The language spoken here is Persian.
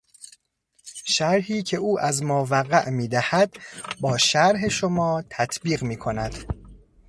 شرحی که او از ماوقع میدهد با شرح شما تطبیق میکند.